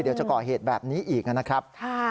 เดี๋ยวจะก่อเหตุแบบนี้อีกนะครับ